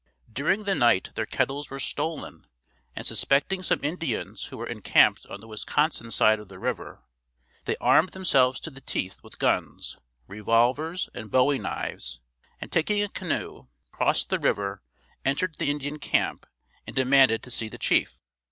During the night their kettles were stolen and suspecting some Indians who were encamped on the Wisconsin side of the river, they armed themselves to the teeth with guns, revolvers and bowie knives and taking a canoe, crossed the river, entered the Indian camp and demanded to see the chief.